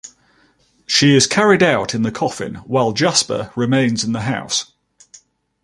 She is carried out in the coffin while Japser remains in the house.